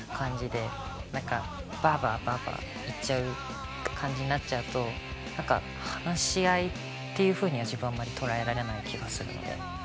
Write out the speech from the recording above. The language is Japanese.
何かばばばば言っちゃう感じになっちゃうと何か話し合いっていうふうには自分はあんまり捉えられない気がするので。